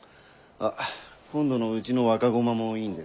あっ今度のうちの若駒もいいんですよ。